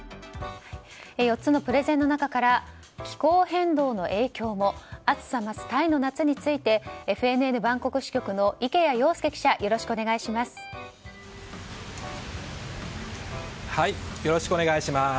４つのプレゼンの中から気候変動の影響も暑さ増すタイの夏についてＦＮＮバンコク支局の池谷庸介記者よろしくお願いします。